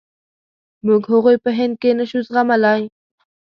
موږ هغوی په هند کې نشو زغملای.